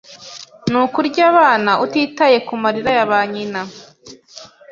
ni ukurya abana utitaye ku marira ya ba nyina